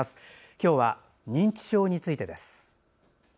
今日は認知症についてです。